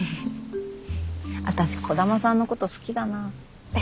私兒玉さんのこと好きだな。